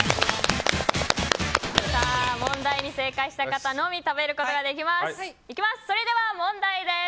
問題に正解した方のみ食べることができます。